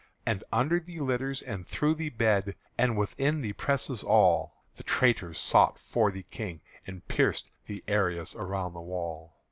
And under the litters and through the bed And within the presses all The traitors sought for the King, and pierced The arras around the wall.